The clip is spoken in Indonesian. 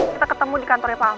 kita ketemu di kantornya pak ahok